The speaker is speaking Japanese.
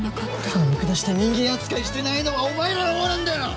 俺らを見下して人間扱いしてないのはお前らの方なんだよ！